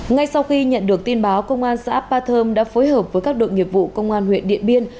ngay sau khi nhận được tin báo công an xã ba thơm đã phối hợp với các đội nghiệp vụ công an huyện điện biên